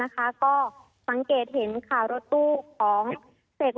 ก็มันเห็นว่ารถตู้ของเศษโลโซ